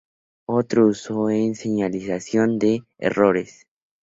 Otro uso es en la señalización de errores.